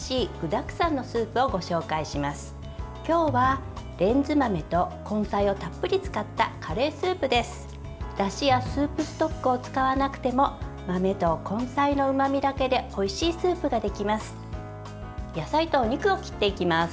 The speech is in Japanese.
だしやスープストックを使わなくても豆と根菜のうまみだけでおいしいスープができます。